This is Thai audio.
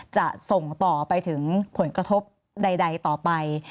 จะส่งต่อไปถึงผลกระทบใดต่อไป